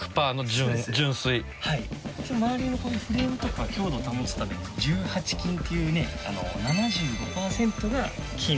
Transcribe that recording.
周りのフレームとか強度を保つために１８金っていうね７５パーセントが金。